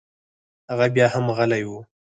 هغه بيا هم غلى و.